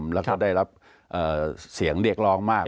แล้วก็ได้รับเสียงเรียกร้องมาก